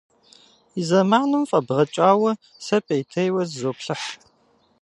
И зэманым фӏэбгъэкӏауэ, сэ пӏеутейуэ зызоплъыхь.